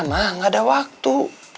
gak ada waktu